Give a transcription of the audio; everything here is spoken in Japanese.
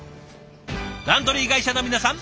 ランドリー会社の皆さん